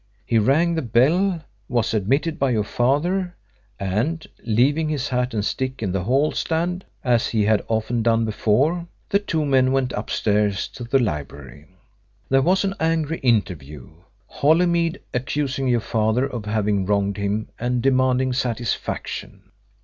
He rang the bell; was admitted by your father, and, leaving his hat and stick in the hall stand as he had often done before, the two went upstairs to the library. There was an angry interview, Holymead accusing your father of having wronged him and demanding satisfaction.